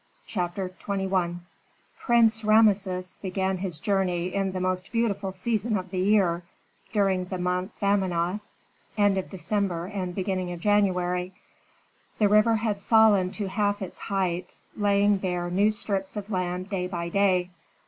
CHAPTER XXI Prince Rameses began his journey in the most beautiful season of the year, during the month Phamenoth (end of December and beginning of January). The river had fallen to half its height, laying bare new strips of land day by day.